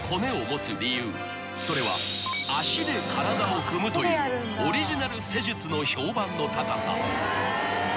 ［それは足で体を踏むというオリジナル施術の評判の高さ］